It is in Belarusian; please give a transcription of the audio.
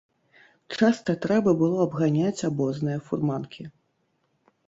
Часта трэба было абганяць абозныя фурманкі.